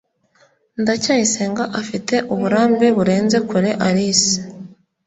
ndacyayisenga afite uburambe burenze kure alice